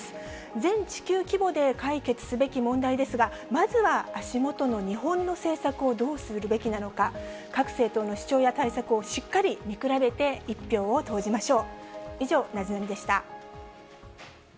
全地球規模で解決すべき問題ですが、まずは足元の日本の政策をどうするべきなのか、各政党の主張や対策をしっかり見比べて１票を投じましょう。